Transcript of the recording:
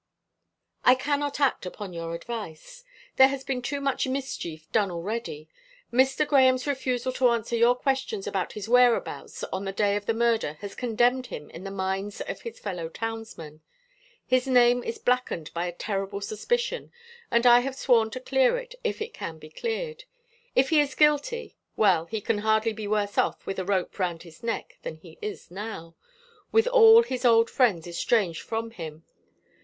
"I cannot act upon your advice. There has been too much mischief done already. Mr. Grahame's refusal to answer your questions about his whereabouts on the day of the murder has condemned him in the minds of his fellow townsmen. His name is blackened by a terrible suspicion, and I have sworn to clear it, if it can be cleared. If he is guilty well, he can hardly be worse off with a rope round his neck than he is now, with all his old friends estranged from him.